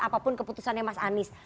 apapun keputusannya mas anies